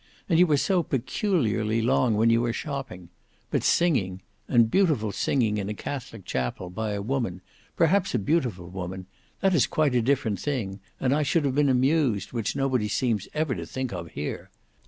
And you are so peculiarly long when you are shopping. But singing, and beautiful singing in a Catholic chapel by a woman; perhaps a beautiful woman, that is quite a different thing, and I should have been amused, which nobody seems ever to think of here.